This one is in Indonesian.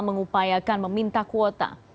mengupayakan meminta kuota